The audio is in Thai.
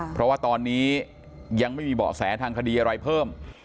เพราะว่าตอนนี้ยังไม่มีเบาะแสทางคดีอะไรเพิ่ม